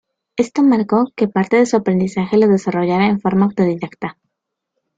Esto marcó que parte de su aprendizaje lo desarrollara en forma autodidacta.